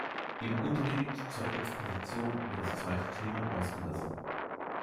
Im Unterschied zur Exposition wird das zweite Thema ausgelassen.